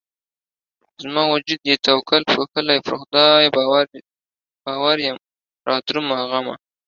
زما وجود يې توکل پوښلی پر خدای ج باور يمه رادرومه غمه